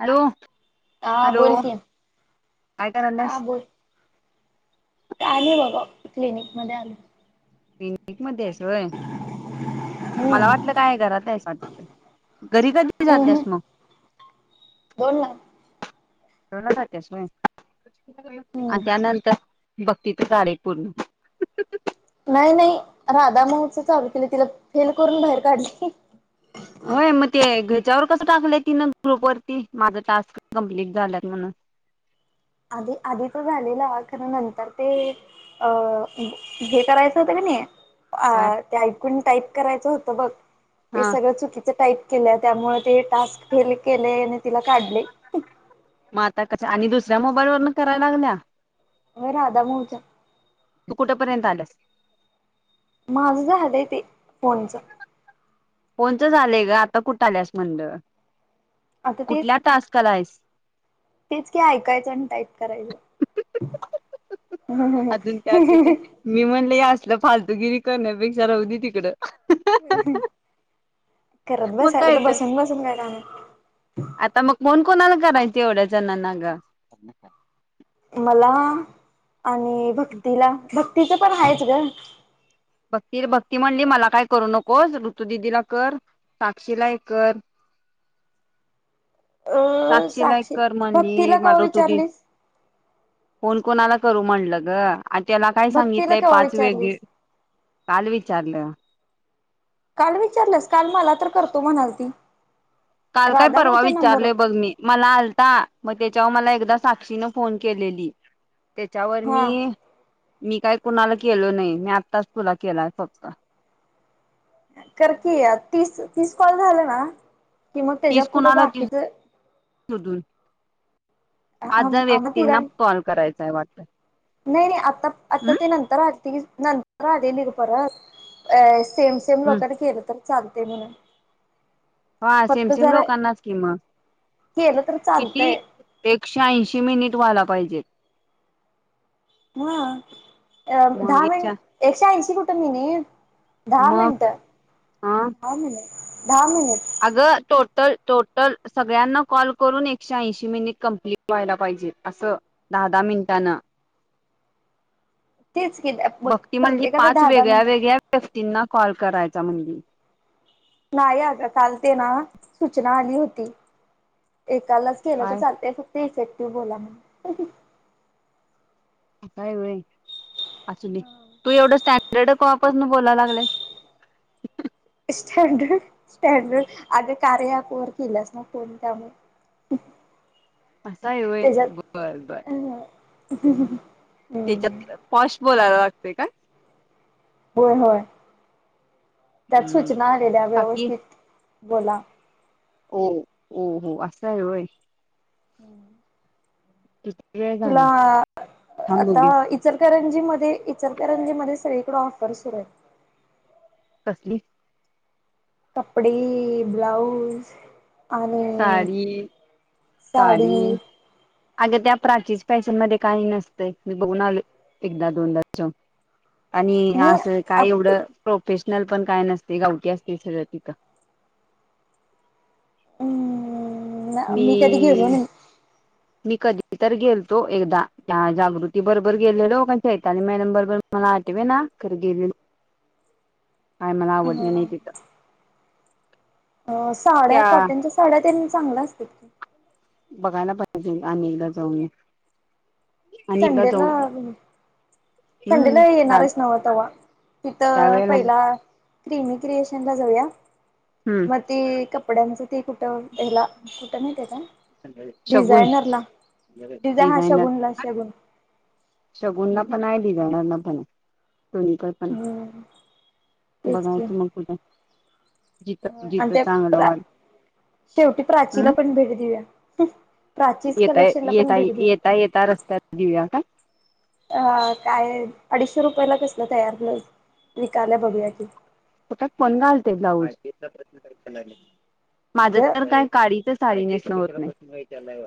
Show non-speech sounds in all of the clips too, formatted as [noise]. Hello हा hello बोल की काय कारला स आ बघा क्लिनिक मध्ये आलोय पिकनिक मध्ये आहेसय मला हम्म वाटलं काय घरात आहेस वाट घरी कधी जातस हम्म मग. दोन लाख य आणि हम्म त्यानंतर भघती तर तारिख पूर्ण. नाही नाही! राधा महोत्सव चालू केले. तिला फेल करून बाहेर काढली. होय मग ते घ्याच्यावर कस. टाकलं ति ग्रुप वरती माझ टास्क कंप्लीट झाला म्हणून. आधी आधीच झालेलं. खर नंतर ते अ हे करायचं होत काय ना. ते ऐकून टाईप करायचं होत बघ ते हा सगळं चुकीच टाइप केल्या त्यामुळे ते टास्क फेल केले आणि तिला काढले. मग आता कस? आणि दुसऱ्या मोबाईल वरन करायला लागल्या. अ राधा मोूहचा तू कुठपर्यंत आलास. माझं झा झालंय ते फोनचं. कोणच झालंय ग? आता कुठ आल्यास मंड आता ते कुठल्या टास्काला आहेस? तेच का ऐकायचं आणि टाईप करायचं. हम्म अजून त्यात ते ह! मी म्हणलं हे फालतुगिरी करण्यापेक्षा राहू दे तिकडं. हम् हम! करत मग बसायला काय तर बसून बसून करणार. आता मग फोन कोणाला करायच एवढ्या जणना ग. मला आणि भक्तीला. भक्तीचं पण आहेच ग. भक्ती भक्ती म्हणली मला काय करू नकोस ऋतुददीला कर साक्षीलायकर अ साक्षीलाय साक्षीला कर म्हण भक्तीला कवा मडव तुरी विचारलीस कोण कोणाला करू म्हणलं ग आ त्याला काय भक्तीला सांगितलंय केव्हा पाच वेगे विचारलीस काल विचारलं काल विचारलंस काल मला तर करतो म्हणालदीी काल काय परवा विचारलय बघ मी मला आलता मग त्यावर मला एकदा साक्षीन फोन केलेली त्याच्यावर हा मी मी काही कुणाला केलो नाही मी आत्ताच तुला केलाय फक्त करकीि तीस तीस कॉल झालं ना कि मग त्याच्या पुढं बाकीच शधून आज आम्हा व्यक्तींना तिघां कॉल करायचाय वाटत नाही नाही आता आता हम्म ते नंतर रा नंतर आले परत अ सेम सेम हम्म लोकांनी केलं तर चालते म्हणून हा फक्त सेमसेम जरा लोकांनाच किंमत केलं तर किती चालतंय एकशे ऐंशी मिनिट व्हाला पाहिजेत ह अ दहा मग मिन एकशे एकशे ऐंशी कुटुंबीनी दहा मग मिनिट अ दहा मिनिट अगं तो तर टोटल सगळ्यांना कॉल करून एकशे ऐशी मिनिट कंप्ट व्हायला पाहिजे अस दधहा मिनटनां तेच की मग भघती म्हणली प्रत्येकाला पाच दहा दहा वेगळ्या मिनिट वेगळ्या व्यक्तींना कॉल करायचा म्हणली नाही आता चालते ना सूचना आली होती एकालाच केलं तर काय चालत फक्त इफेक्टिव्ह बोला म्ह काय वे असुली तू एवढं स्टँडर्ड क वापसून बोलायला लागलेस [unintelligible] स्टँडर्ड स्टँडर्ड अग कारेकोर केलंस ना कोण त्यामुळे [unintelligible] असा आहे होयल बर बर ह त्याच्यात पॉश बोलायला लागतेय का होय होय त्यात हम्म सूचना आलेल्या व्यवस्थित बोला हो हो असं आहेय हम्म वेळ तुला झाला. थांबू आता घे. इचार करण इतरंजी मध्ये सगळीकडे ऑफररू आहेत सली कपडे ब्लाउज आणि साडी साडी अग त्या प्राची फॅशन मध्ये काही नसतंय मी बघून आलो एकदा दोनदा आणि असं काय एवढं प्रोफेशनल पण काय नसते गावट असतील सगळं तिथं हम्म मी कधी गेलो नाही मी कधी तर गेलतो एकदा त्या जागृती बरोबर गेलेलोच्याैतानी मॅन बरोबर मला आठवे ना ख गेले काय मला आवडलं नाही तिथं अ साड्या त्या कॉटनच्या साड्या त्यां चांगल्या असतात की बघायला पाहिजे आणि् एकदा जाऊन आणि एकदा सडेला जाऊन आवी हम्म संडेला चाल येणारच नव तेव्हा तिथं त्यावेेळेला पहिला क्रिमी क्रिएशन ला जाऊया हम्म मग ते कपड्यांच तेप तर त्याला कुठं नाही त्याचा शगुन डिझायनरला डिझानराला नाही डिझायनर शगुन ला शगुन शगुनला पण आहे डिझायनर पण आहे कणीक पण हम्म तेच की बघायचं मग कुठं जिथं आणि जिथं त्या चांगलं प्र वाट शेवटी प्राचीला हं पण भेट देऊया प्राचीज येता कलेक्शनला पण येता भेट देऊया येता येता रस्त्यात देऊया का ह काय अडीचशे रुपयला कसलं तयार न विकाल्या बघूया की फट पण घालते ब्लाज माझ अगं तर काय साडीतच साडी नेसणे होत नाही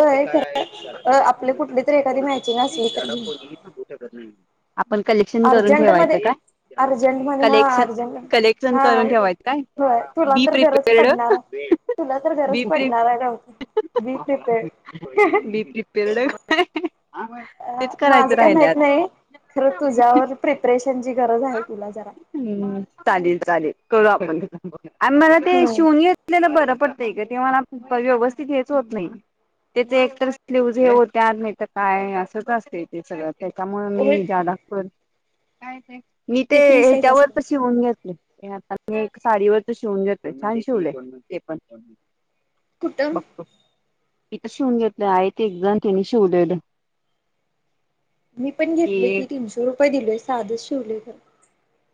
असे काय आहे खरं की ज्याला अ तुम्ही आपले थांबू कुठली शकत तरी एखादी मॅचिंग कोणीही असली तर झाड घेऊ कोणीही थांबू शकत नाही आपण कलेक्शन करून अर्जंट ठेवायचं मध्ये का अर्जंट मध्ये हा कलेक्शन अर्जंट कलेक्शन हा करून ठेवायच का होय तुला बी तर गरज प्रिपेर्ड पडणार तुला तर गरच पडणार का होत मी प्रिपेरड आहे अ माझं काय माहत नाही खरं तुझ्यावर प्रिपरेशनची गर हम् चालेल चालेल करू आपण आणि मला ते हम्म शिवून घेतलेलं बरं पडतंय का ते मला व्यवस्थित हेच होत नाही त्याचे एकतर स्लीवज हे होते नाही तर काय असंच असते ते सगळ्यात त्याच्यामुळे होय मी जादा तर मी ते फ्री साईज असतं हच्यावरच शिवून घेतले आता मी एक साडीवरच शिवून घेतोय छान शिवले ते पण कुठं बघतो तिथं शिवून घेतलं आहे ते एक जण तिने शिवलेलं मी पण ती घेतल की एक तीनशे रुपये दिलोय साधच शिवले खरं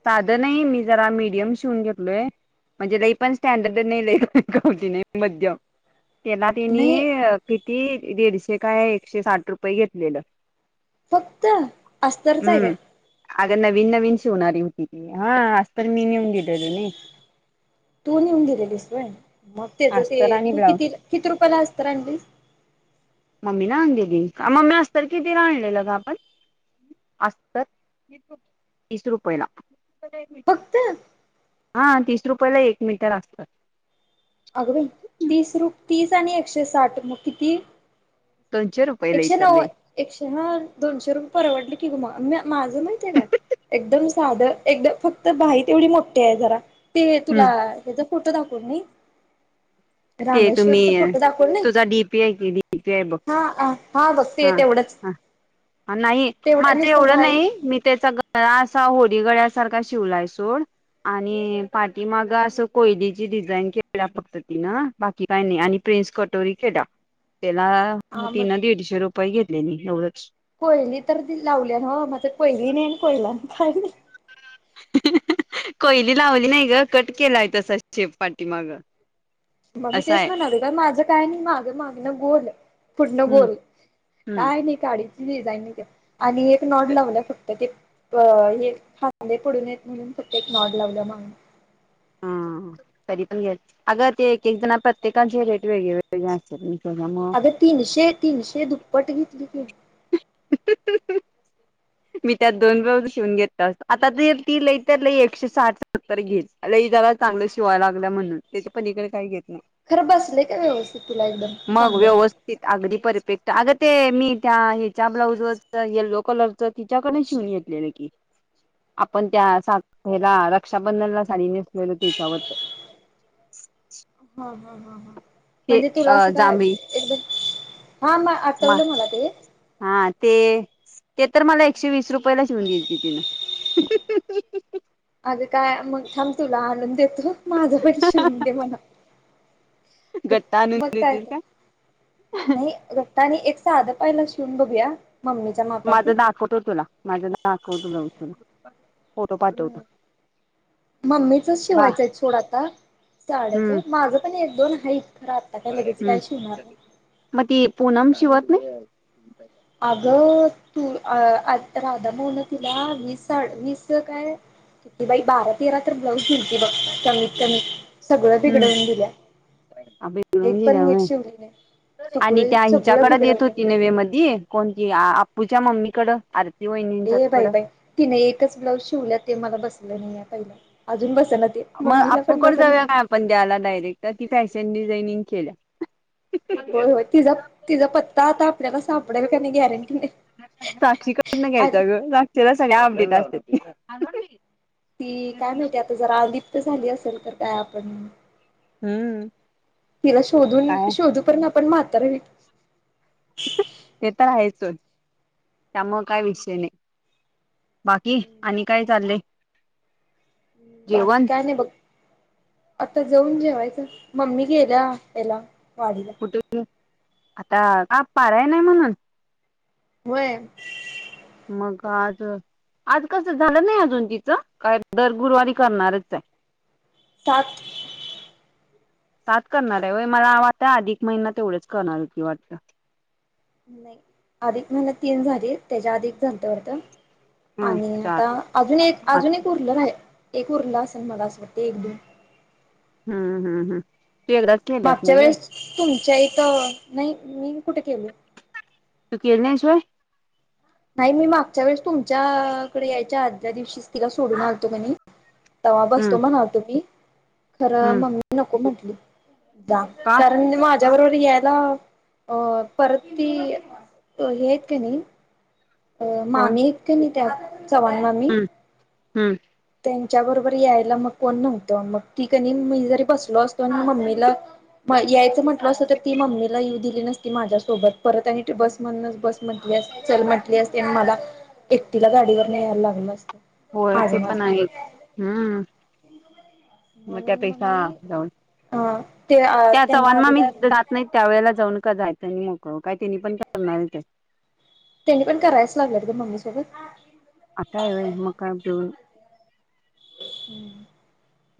साधं नाही मी जरा मीडियम शिवून घेतलोय म्हणजे लई पण स्टँडर्ड नाही लई गावठी नाही मध्यम त्याला तिनी नाही किती दीडशे काय एकशे साठ रुपये घेतलेलं फक्त अस्तरच आहे काय अग नवीन नवीन शिवणारी होणारी होती त हा तर मी नेऊन दिलेलो नाही तू निेऊन दिलेलीस मग त्याच ते अस्तर आणि तू ब्लाऊज किती किती रुपयाला अस्तर आणलीस मम्मी ना अ मम्मी अस्तर कितीला आणलेलं ग आपण अस्तर तीस रुपयेला फक्त हा तीस रुपयाला एक मीटर अस्तर अग बाई तीस रु तीस आणि एकशे साठ मग किती दोनशे रुपये एकशे नव्द एकशे ह दोनशे रुपये परवडले की ग मग माझं माहती आहे का एकदम साधं एकदम फक्त बाहीत एवढी मोठी आहे जरा ते हम्म तुला त्याच कुठं दाखवून म ते तुम्ही दाखवून नाही तुझा डीपी आहे कि डीपी आहे बघ हा बघ ते हा तेवढंच ह नाही तेवढं माझं नुसतं एवढं भाई नाही मी त्याचा गळा असा होडीगळ्या अस सारखा शिवलाय सोड आणि पाठीमाग असं कोयलीची डिझाईन केळल्या फक्त तिन बाकी काय नाही आणि प्रिन्स कटोरी खेडा त्याला हा मग तीन दीडशे रुपये घेत हो कोयली तर लावली ना हो माझ कोयली नाही कोयला काय कोयली लावली नाही ग कट केलाय तस शेप पाटीमाग मग मी तेच म्हणाते कारण माझं काय नाही मागं मागनं गोल पुढण हम्म गोल हम्म काय नाही काढ डिझाईन आणि एक नॉड लावलं फक्त ते हे खांदे पडून येत म्हणून मॉलावलं मग हा तरी पण घ्या अगं ते एक एक जण प्रत्येकाची रेट वेगळे वेगळे असेल आता तीनशे तीनशे दुप्पट घेतली की मी त्यात दोन बाऊज शिवून घेत असो आता ज ती लईत ल एकशे साठ सत्तर घेतल लई त्याला चांगलं शिवायला लागलं म्हणून त्या प ेत नाही खरं बसले का व्यवस्थित तुला एकदम मग चांगलं व्यवथित अगदी परपेग ते मी त्या ह्याच्या ब्लाउज वरच येल्लो कलरच तिच्याकडे शिवून घेतलेलं की आपण त्या सा्याला रक्षाबंधनला साडी नेसलेलो त्याच्यावर [inaudible] हा हा ह ह म्हणजे तुला अ असं काय एकदम हा म आठवलं मला ते हा ते ते तर मला एकशे वीस रुपयाला शिवन द्या तिनं अगं काय मग थांब तुला आनून देतो माझं पण शिवून दे म्हणा गट्टा आणून मग काय देतील ते नाही रतानी एक साधं पाहिला शिवून बघया माझं नाखवट तुला माझं ना आखवत तुला फोटो पाठवतो मम्मीचच बा शिवायचंय ोडा आता साड्याच माझं पण एक दोन आहे हम् मग ती पनम शिवत नाही अगं तू आता राधा म्हऊन तुला वीस वीस काय की बाई बारा तेरा तर ब्लाऊज बघ कमीत कमी सगळं बिघडवून दिल्या एक पण नीट बेूनल्या शिवली नाही आणि सगळे त्या सगळं हिच्याकड येत बिघडवलंय होती नवे मध्ये कोणती आप्पूच्या मम्मीकड अर ए बाई बाई तिने एकच ब्लाऊज शिवल्या ते मला बसलं नाही आहे पहिलं अजून बस मग आपूकड जाऊया काय आपण द्यायला डायरेक्ट ती फॅशन डिझाईनिंग केल्या हो हो तिचा तिचा पत्ता आता आपल्याला सापडेल का नाही गॅरंटी नाही साक्षीकडनं घ्यायचा आली ग लाग ह थोड ती काय माहिती आता जर आदीपत झाली असेल तर काय आपण हम्म तिला शोधून काय शोधू पर्ंत आपण म्हातार आहे ते तर आहेचच त्यामु काय विषय नाही बाकी आणि काय चाललंय बाकी जेवण काय नाही बघ आता जाऊन जेवायचं मम्मी गेल्या याला वाडीला कुठे आता का पाराय नाही म्हणून होय मगज आज कसं झालं नाही अजून तिचं काय दर गुरुवारी करणारच आहे सात सात करणार आहे व मला वाटता आधिक महिना तेवढाच करणार होती वाटत नाही अधिक म्हला तीन झाली त्याच्या अधिक झालतवरत हम्म आणि चार आता अजून एक हम्म अजून एक उरल आहे एक उरला असेल मला असं वाटते एक दो हम्म हम्म हम् मागच्या वेळेस तुमच्या इथं नाही मी कुठे केल तू केरल्याशवाय नाही मी मागच्या वेळेस तुमच्याकडे यायच्या आदल्या दिवशीच तिला सोडून आणतो म्हणे तवा बसतो हम्म म्हणा तुम्ही खरं हम्म मम्मी नको म्हंटली जा का कारण मा जबरवरर येला अ परती हेयत का नाही अ कोण मामी आहेत कणी त्या चव्हाण मामी हम् त्यांच्या बरोबर यायला मग कोण नव्हतो मग ती कणी मी जरी बसलो असतो आणि मम्मीला पण यायचं म्हंटलं असतो तर ती मम्मीला येऊ दिली नसती माझ्यासोबत परत आणि ते बस मदनेच बस चल म्हटली असती आणि मला एकटीला गाडीवरन यायला लागलं असत होय ते पण आहे हम्म मग त्या म्हणून पेक्षा मी जाऊन अ ते त्या त्यांना चव्हाण मामी अभिदा तिथं राहत नाही त्या वेळेला जाऊन का जायचं मोकळ काय त्यांनी पण करणार ते त्यांनी पण करायच लागल्यात ग ते मम्मी सोबत असं आहे व्हय मग काय [inaudible] हम्म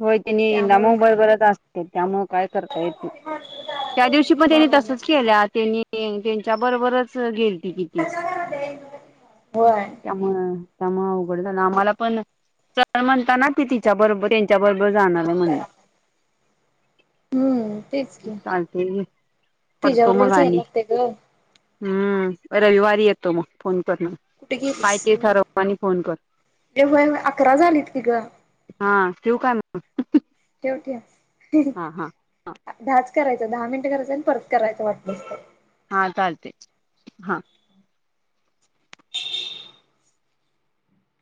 होय त्यांनी नाम बरोबरच असते त्यामुळं काय करता येत त्या दिवशी पण हा त्यांनी तसच केल्या त्यांनी त्यांच्या बरोबरच गेलती कि ती होय त्यामुळं त्यामुळं अवघड झालं आम्हाला पण चल म्हणताना ती तिच्या बरोबर येइ त्याच्याबरोबर जाणार आहे म्हणली हम्म तेच की ल ते परतो तिच्याबरोबरच यायला मगणी लागते ग [unintelligible] हम्म रविवारी येतो मग फोन कर कुठे गेलीस काय ते ठरव आणि फोन कर ए होय होय अकरा झालीत की ग ठिव काय मग दहाच ठेव हा हा करायचं दहा मिनिट करायचं आणि परत करायचं वाटलस तर हा चालतंय हा